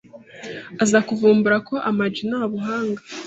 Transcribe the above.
aza kuvumbura ko Ama G ntabuhanga